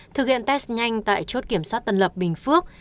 thực hiện test nhanh tại chốt kiểm soát tân lập bình phước